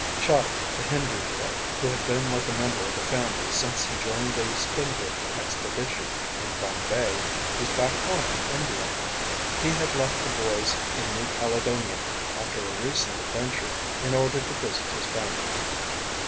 Chahda, the Hindu boy who had been like a member of the family since he joined a Spindrift expedition in Bombay, was back home in India. He had left the boys in New Caledonia after a recent adventure in order to visit his family.